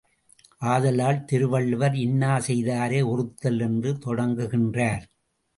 ஆதலால் திருவள்ளுவர் இன்னாசெய்தாரை ஒறுத்தல் என்று தொடங்குகின்றார்.